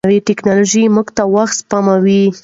ټیکنالوژي زموږ وخت سپموي.